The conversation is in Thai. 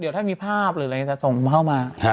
เดี๋ยวถ้ามีภาพหรืออะไรจะส่งเข้ามา